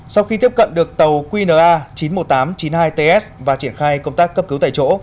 sau khi tiếp cận được tàu qna chín mươi một nghìn tám trăm chín mươi hai ts và triển khai công tác cấp cứu tại chỗ